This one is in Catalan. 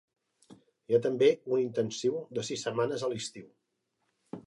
Hi ha també un intensiu de sis setmanes a l'estiu.